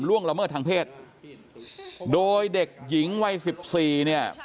ล่วงละเมิดทางเพศโดยเด็กหญิงวัย๑๔เนี่ย